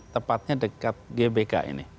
tepatnya dekat gbk ini